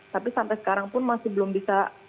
tapi sampai sekarang pun masih belum bisa